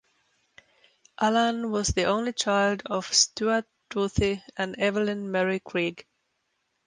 Alan was the only child of Stewart Duthie and Evelyn Mary Greig.